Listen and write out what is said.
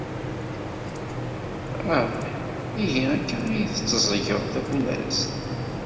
Ah, ihi akka ay tetteẓẓged tafunast?